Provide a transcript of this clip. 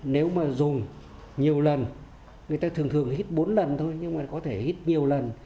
nếu mà dùng nhiều lần người ta thường thường hít bốn lần thôi nhưng mà có thể hít nhiều lần